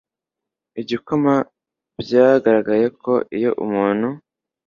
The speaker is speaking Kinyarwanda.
igikoma byagaragaye ko iyo umuntu